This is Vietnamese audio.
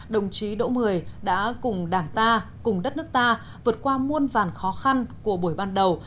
đồng chí đỗ mười đã cùng đảng ta cùng đất nước ta vượt qua muôn vàn khó khăn của buổi ban đầu